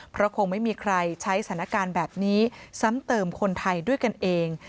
เพราะคงไม่มีใครใช้สถานการณ์แบบนี้ซ้ำเติมคนไทยด้วยกันเอง